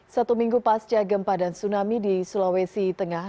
satu minggu pasca gempa dan tsunami di sulawesi tengah